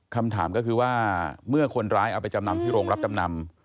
คำถามก็คือว่าเมื่อคนร้ายเอาไปจำนำที่โรงรับจำนำ